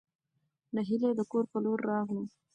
نهېلى د کور په لور راغلو.